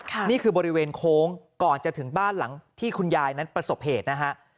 นี่คือบริเวณโค้งก่อนจะถึงบ้านหลังที่คุณยายนั้นประสบเหตุนะฮะ